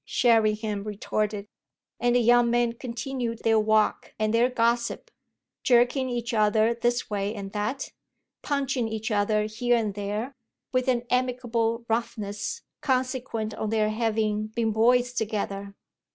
Sherringham retorted; and the young men continued their walk and their gossip, jerking each other this way and that, punching each other here and there, with an amicable roughness consequent on their having, been boys together.